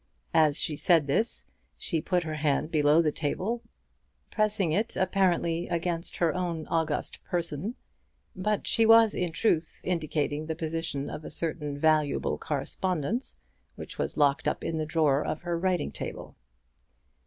As she said this she put her hand below the table, pressing it apparently against her own august person; but she was in truth indicating the position of a certain valuable correspondence, which was locked up in the drawer of her writing table.